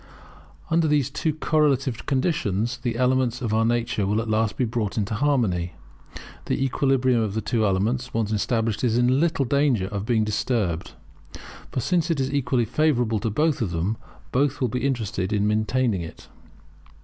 Under these two correlative conditions the elements of our nature will at last be brought into harmony. The equilibrium of these two elements, once established, is in little danger of being disturbed. For since it is equally favourable to both of them, both will be interested in maintaining it.